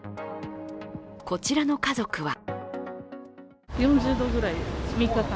こちらの家族は。